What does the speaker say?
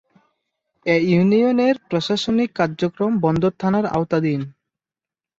এ ইউনিয়নের প্রশাসনিক কার্যক্রম বন্দর থানার আওতাধীন।